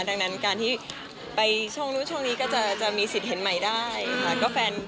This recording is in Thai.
ดังนั้นการที่ไปช่วงนู้นช่วงนี้ก็จะมีสิทธิ์เห็นใหม่ได้ค่ะ